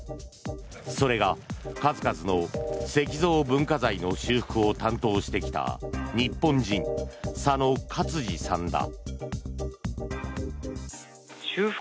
それが、数々の石造文化財の修復を担当してきた日本人、左野勝司さんだ。